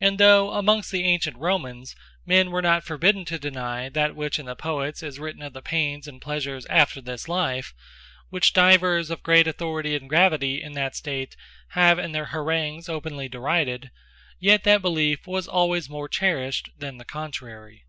And though amongst the antient Romans, men were not forbidden to deny, that which in the Poets is written of the paines, and pleasures after this life; which divers of great authority, and gravity in that state have in their Harangues openly derided; yet that beliefe was alwaies more cherished, than the contrary.